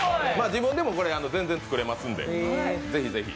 自分でも全然作れますんで、ぜひぜひ。